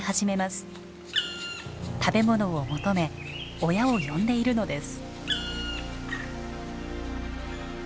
食べ物を求め親を呼んでいるのです。